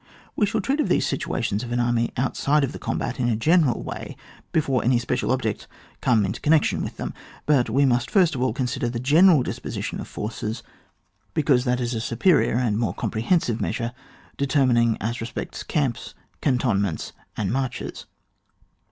We shall treat of these three situations of an army outside of the combat in a general way, before any special objects come into connection with &em ; but we must, flrst of all, consider the general disposition of the forces, because that is VOL. n. a superior and more comprehensive measure, determining as respects camps, cantonments, and marches.